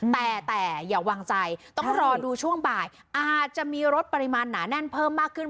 แต่แต่อย่าวางใจต้องรอดูช่วงบ่ายอาจจะมีรถปริมาณหนาแน่นเพิ่มมากขึ้น